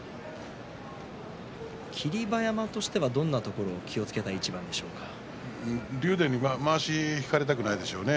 霧馬山としてはどんなところに気をつけたい竜電にまわしを引かれたくないですね。